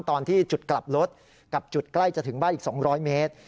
ตอนที่จุดกลับรถกับจุดใกล้จะถึงบ้านอีก๒๐๐เมตร